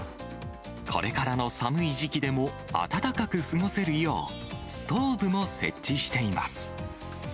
これからの寒い時期でも暖かく過ごせるよう、ストーブも設置しています。